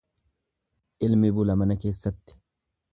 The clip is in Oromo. Ilmi bula mana keessatti.